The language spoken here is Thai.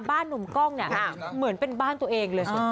หนุ่มกล้องเนี่ยเหมือนเป็นบ้านตัวเองเลย